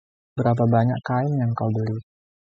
Berapa banyak kain yang kau beli?